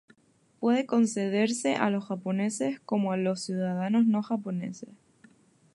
Puede concederse a los japoneses como a los ciudadanos no japoneses.